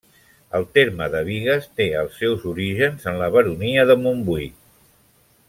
El terme de Bigues té els seus orígens en la baronia de Montbui.